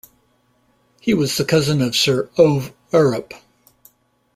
He was the cousin of Sir Ove Arup.